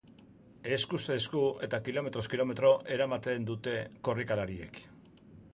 Eskuz esku eta kilometroz kilometro eramaten dute korrikalariek.